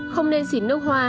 không nên xỉn nước hoa